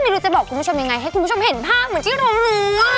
ไม่รู้จะบอกคุณผู้ชมยังไงให้คุณผู้ชมเห็นภาพเหมือนที่เรารู้